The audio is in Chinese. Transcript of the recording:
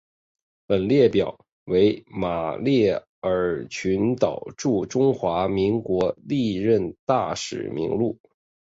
本列表为马绍尔群岛驻中华民国历任大使名录。